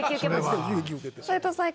斉藤さん